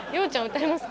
歌いますか？